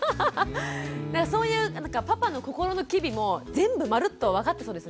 そういうパパの心の機微も全部まるっと分かってそうですね。